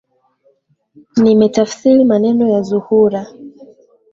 Nimetafsiri maneno ya Zuhura